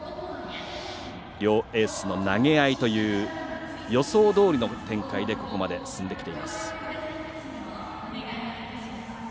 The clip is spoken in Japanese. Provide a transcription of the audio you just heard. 両エースの投げ合いという予想どおりの展開でここまで進んできています。